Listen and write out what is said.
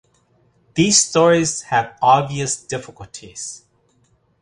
These stories have obvious difficulties.